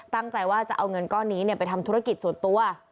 ตั้งใจว่าจะเอาเงินก้อนนี้ไปทำธุรกิจส่วนตัว